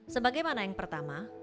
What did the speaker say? sebagaimana yang pertama